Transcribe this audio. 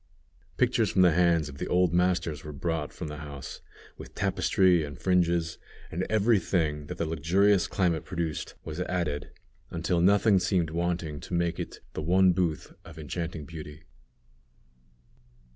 Pictures from the hands of the old masters were brought from the house, with tapestry and fringes; and every thing that the luxurious climate produced was added, until nothing seemed wanting to make it the one booth of enchanting beauty.